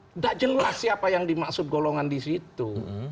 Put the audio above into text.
tidak jelas siapa yang dimaksud golongan di situ